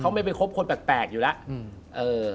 เขาไม่ไปคบคนแปลกอยู่แล้ว